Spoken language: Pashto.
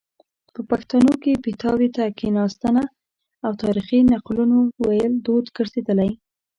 په پښتانو کې پیتاوي ته کیناستنه او تاریخي نقلونو ویل دود ګرځیدلی